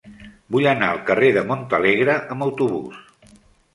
Vull anar al carrer de Montalegre amb autobús.